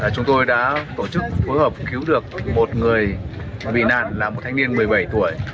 chúng tôi đã tổ chức phối hợp cứu được một người bị nạn là một thanh niên một mươi bảy tuổi